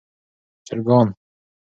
چرګان